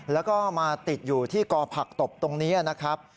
แล้วก็มาติดอยู่ที่กอผักตบตรงนี้นะครับ